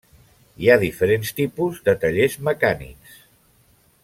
Hi ha diferents tipus de tallers mecànics.